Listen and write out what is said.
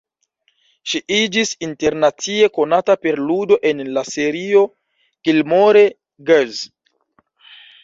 Ŝi iĝis internacie konata per ludo en la serio "Gilmore Girls".